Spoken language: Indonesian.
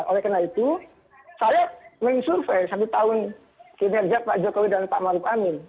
oleh karena itu saya mensurvey satu tahun kinerja pak jokowi dan pak maruf amin